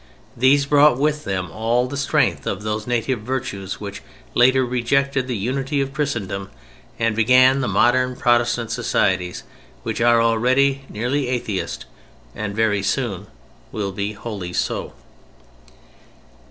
These brought with them all the strength of those native virtues which later rejected the unity of Christendom and began the modern Protestant societies—which are already nearly atheist and very soon will be wholly so.